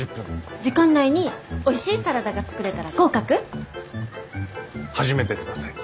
時間内においしいサラダが作れたら合格？始めてください。